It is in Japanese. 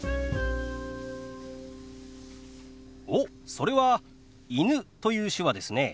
おっそれは「犬」という手話ですね。